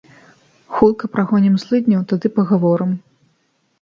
Хутка прагонім злыдняў, тады пагаворым.